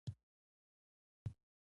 راکټ د ساینسي ایجاداتو سر دی